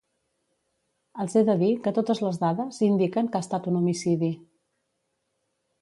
Els he de dir que totes les dades indiquen que ha estat un homicidi.